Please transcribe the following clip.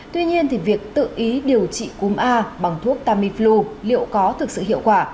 tuy nhiên việc tự ý điều trị cúm a bằng thuốc tamiflu liệu có thực sự hiệu quả